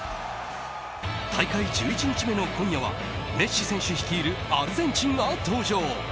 大会１１日目の今夜はメッシ選手率いるアルゼンチンが登場。